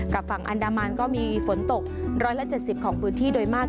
ฝั่งอันดามันก็มีฝนตก๑๗๐ของพื้นที่โดยมาก